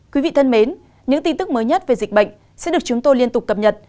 quý vị thân mến những tin tức mới nhất về dịch bệnh sẽ được chúng tôi liên tục cập nhật